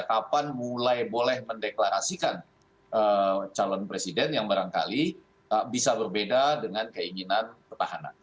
kapan mulai boleh mendeklarasikan calon presiden yang barangkali bisa berbeda dengan keinginan pertahanan